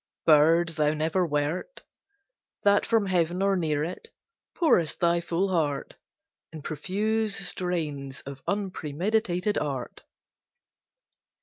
Bird thou never wert That from heaven or near it Pourest thy full heart In profuse strains of unpremeditated art.